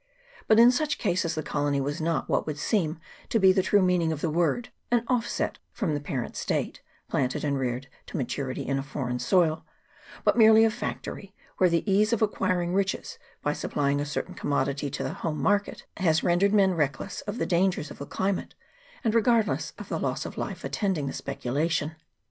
But in such cases the colony was not what would seem to be the true meaning of the word, an offset from the parent state, planted and reared to ma turity in a foreign soil ; but merely a factory, where the ease of acquiring riches by supplying a certain commodity to the home market has rendered men reckless of the dangers of climate, and regardless of the loss of life attending the speculation.